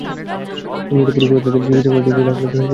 সংশ্লিষ্ট পরিবার তাদের চিকিৎসা করাতে গিয়ে লাখ লাখ টাকা খরচ করে।